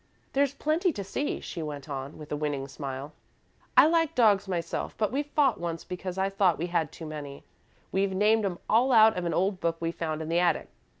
"There's plenty to see," she went on, with a winning smile. "I like dogs myself but we fought once because I thought we had too many. We've named 'em all out of an old book we found in the attic.